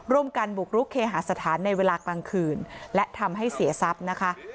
ร่วมกันบุกรุกเคหาสถานในเวลากลางคืนและทำให้เสียทรัพย์นะคะ